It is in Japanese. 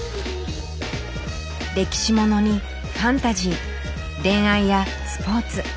歴史ものにファンタジー恋愛やスポーツ。